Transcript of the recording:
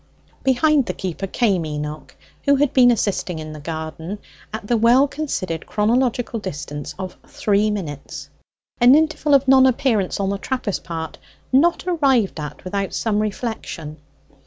Behind the keeper came Enoch (who had been assisting in the garden) at the well considered chronological distance of three minutes an interval of non appearance on the trapper's part not arrived at without some reflection.